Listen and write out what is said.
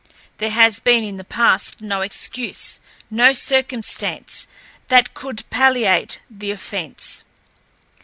There has been in the past no excuse, no circumstance, that could palliate the offense.